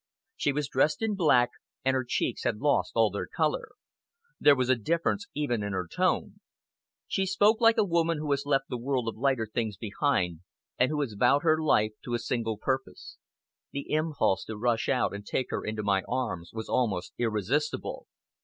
She was dressed in black, and her cheeks had lost all their color. There was a difference even in her tone. She spoke like a woman who has left the world of lighter things behind, and who has vowed her life to a single purpose. The impulse to rush out and take her into my arms was almost irresistible!